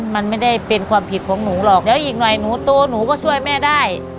มันไม่ได้เป็นความผิดของหนูหรอกเดี๋ยวอีกหน่อยหนูโตหนูก็ช่วยแม่ได้